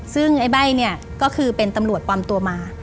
ซึ่งไอ้ใบ้เนี่ยก็คือเป็นตำรวจปลอมตัวมา